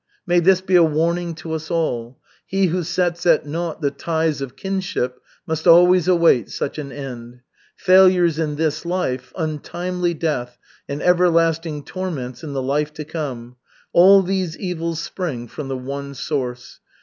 "May this be a warning to us all. He who sets at naught the ties of kinship must always await such an end. Failures in this life, untimely death, and everlasting torments in the life to come, all these evils spring from the one source.